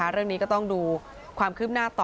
เรื่องนี้ก็ต้องดูความคืบหน้าต่อ